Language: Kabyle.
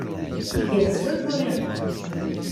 Igerrez wayyur iḍ-a.